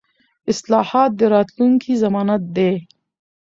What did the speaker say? اصلاحات د راتلونکي ضمانت دي